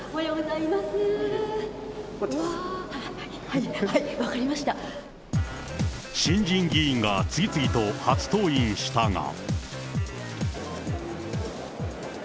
はい、新人議員が次々と初登院したが。